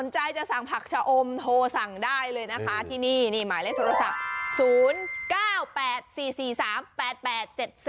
ชะอมโทรสั่งได้เลยนะคะที่นี่หมายเลขโทรศัพท์๐๙๘๔๔๓๘๘๗๔